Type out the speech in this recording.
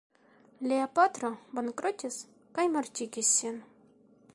Lia patro bankrotis kaj mortigis sin.